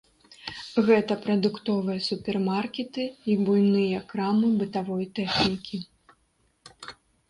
Гэта прадуктовыя супермаркеты і буйныя крамы бытавой тэхнікі.